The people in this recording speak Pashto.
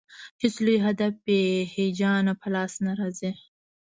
هېڅ لوی هدف بې هیجانه په لاس نه راځي.